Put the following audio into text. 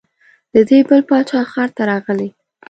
د دې بل باچا ښار ته راغلې.